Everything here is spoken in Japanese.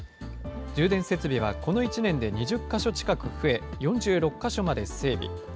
充電設備はこの１年で２０か所近く増え、４６か所まで整備。